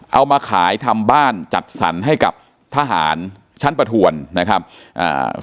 เอามาขายทำบ้านจัดสรรให้กับทหารชั้นประทวนนะครับอ่า